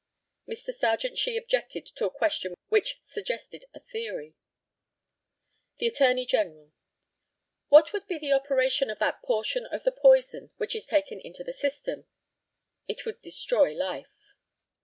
Mr. Serjeant SHEE objected to a question which suggested a theory. The ATTORNEY GENERAL: What would be the operation of that portion of the poison which is taken into the system? It would destroy life.